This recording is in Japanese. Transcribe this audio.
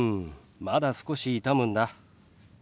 まだ少し痛むんだ。